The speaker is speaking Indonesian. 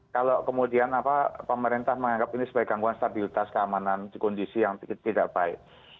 kalau kemudian pemerintah menganggap ini sebagai gangguan stabilitas keamanan di kondisi yang tidak baik